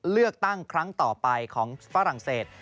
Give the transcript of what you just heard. เลือกตั้งครั้งต่อไปของฝรั่งเศส